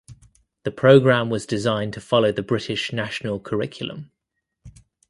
The programme was designed to follow the British National Curriculum.